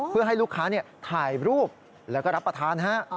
เพื่อให้ลูกค้าถ่ายรูปแล้วก็รับประทานฮะ